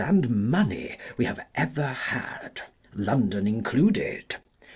[1858 and money, we have ever had : London included.